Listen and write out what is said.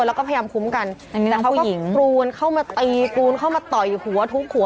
แล้วก็พยายามคุ้มกันแต่เขาก็กรูนเข้ามาตีกรูนเข้ามาต่อยหัวทุบหัว